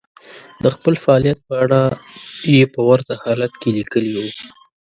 د خپل فعاليت په اړه يې په ورته حالت کې ليکلي وو.